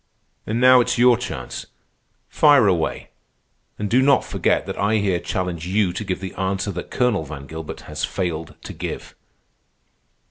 "And now it's your chance. Fire away, and do not forget that I here challenge you to give the answer that Colonel Van Gilbert has failed to give."